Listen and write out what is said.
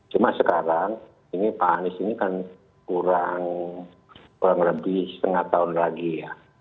cuma sekarang ini pak anies ini kan kurang lebih setengah tahun lagi ya